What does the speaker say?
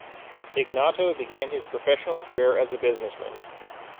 Ignatow began his professional career as a businessman.